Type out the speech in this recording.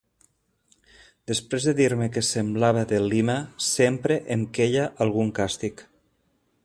Després de dir-me que semblava de Lima sempre em queia algun càstig.